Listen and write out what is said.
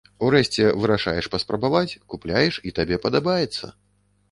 Урэшце вырашаеш паспрабаваць, купляеш, і табе падабаецца.